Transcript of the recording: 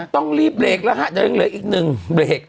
ต้องรีบเบรกแล้วฮะเดี๋ยวยังเหลืออีกหนึ่งเบรก